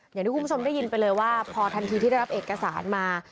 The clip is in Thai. อย่างที่คุณผู้ชมได้ยินไปเลยว่าพอทันทีที่ได้รับเอกสารมา